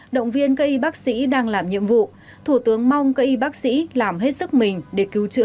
động viên cây bác sĩ đang làm nhiệm vụ thủ tướng mong cây bác sĩ làm hết sức mình để cứu chữa